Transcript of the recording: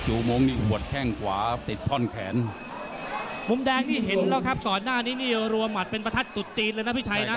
สอนหน้านี้นี่อรัวมัติขู่ลุ่นน้องมุมแดงที่เห็นแล้วครับสอนหน้านี้นี่อรัวมัติเป็นประทัดจุดจีนเลยนะพี่ชัยนะ